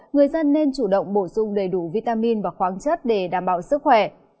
người dân nên chủ động bổ sung đầy đủ vitamin và khoáng chất để đảm bảo sức khỏe